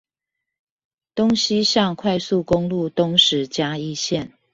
東西向快速公路東石嘉義線